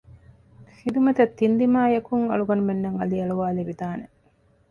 ޚިދުމަތަށް ތިން ދިމާޔަކުން އަޅުގަނޑުމެންނަށް އަލިއަޅުވައިލެވިދާނެ